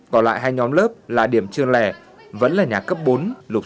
còn lại hai nhóm lớp là điểm trường lẻ vẫn là nhà cấp bốn lụp sụp